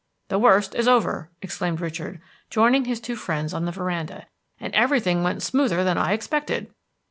"The worst is over," exclaimed Richard, joining his two friends on the veranda, "and everything went smoother than I expected."